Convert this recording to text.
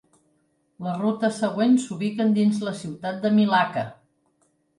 Les rutes següents s'ubiquen dins la ciutat de Milaca.